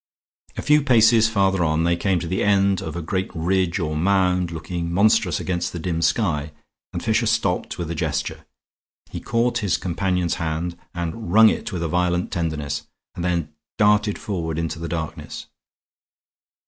A few paces farther on they came to the end of a great ridge or mound looking monstrous against the dim sky; and Fisher stopped with a gesture. He caught his companion's hand and wrung it with a violent tenderness, and then darted forward into the darkness.